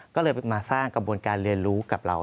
ก็เลยมาสร้างกระบวนการเรียนรู้กับเรา